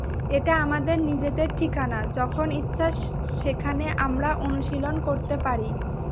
এটা আমাদের নিজেদের ঠিকানা, যখন ইচ্ছা সেখানে আমরা অনুশীলন করতে পারি।